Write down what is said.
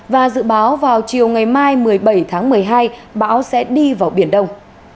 và dự báo vào chiều ngày mai một mươi bảy tháng một mươi hai bão sẽ đi vào biển đông